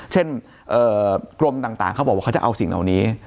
เช่นกรมต่างเขาบอกว่าเขาจะเอาสิ่งเหล่านี้